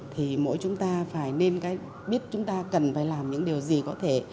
thì mỗi chúng ta phải nên biết chúng ta cần phải làm những điều gì có thể